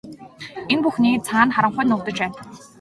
Энэ бүхний цаана харанхуй нуугдаж байна.